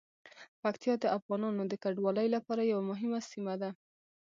پکتیا د افغانانو د کډوالۍ لپاره یوه مهمه سیمه ده.